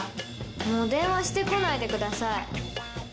もう電話して来ないでください。